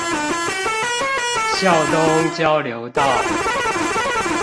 孝東交流道